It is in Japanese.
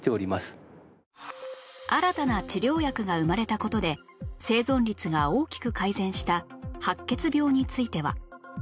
新たな治療薬が生まれた事で生存率が大きく改善した白血病については